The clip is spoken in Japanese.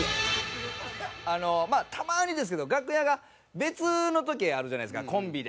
まあたまにですけど楽屋が別の時があるじゃないですかコンビで。